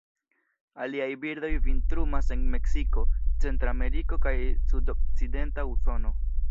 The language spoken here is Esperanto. Aliaj birdoj vintrumas en Meksiko, Centrameriko, kaj sudokcidenta Usono.